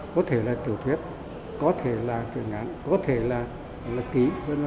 có thể là tiểu thuyết có thể là truyền án có thể là ký